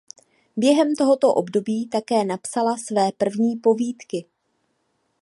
Během tohoto období také napsala své první povídky.